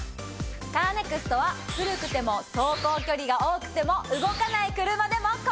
カーネクストは古くても走行距離が多くても動かない車でも。